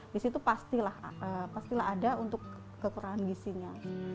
disitu pastilah ada untuk kekurangan gizinya